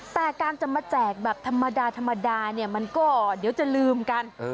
แต่การจะมาแจกแบบธรรมดามันก็เดี๋ยวจะลืมกัน